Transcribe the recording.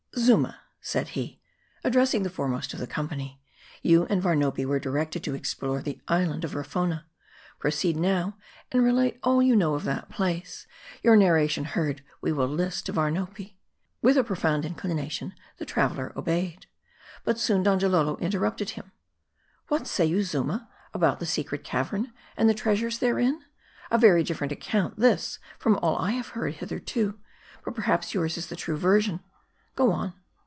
" Zuma," said he, addressing the foremost of the company, "you and Varnopi were directed to explore the island of Rafona. Proceed now, and relate all you know of that place. Your narration heard, we will list to Varnopi." With a profound inclination the traveler obeyed. But soon Donjalolo interrupted him. "What say you, Zuma, about the secret cavern, and the treasures therein ? A very different account, this, from all I have heard hitherto ; but perhaps yours is the true version. Go on."